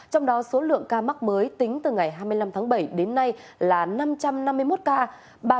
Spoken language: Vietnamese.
trong đó số lượng ca mắc mới tính từ ngày hai mươi năm tháng bảy đến nay là năm trăm năm mươi một ca